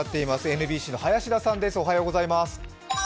ＮＢＣの林田さんです。